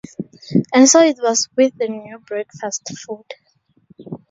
And so it was with the new breakfast food.